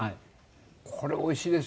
これおいしいですよ。